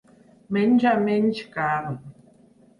Menja menys carn.